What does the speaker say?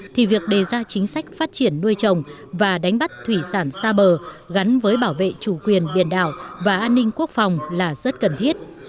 thì việc đề ra chính sách phát triển nuôi trồng và đánh bắt thủy sản xa bờ gắn với bảo vệ chủ quyền biển đảo và an ninh quốc phòng là rất cần thiết